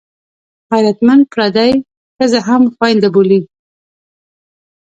غیرتمند پردۍ ښځه هم خوینده بولي